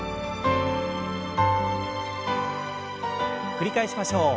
繰り返しましょう。